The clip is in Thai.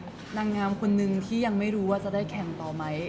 นางงามคนนึงที่ยังไม่รู้ว่าจะได้แข่งต่อไหม